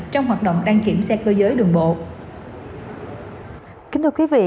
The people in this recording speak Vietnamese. trong hoạt động đăng kiểm xe cơ giới đường bộ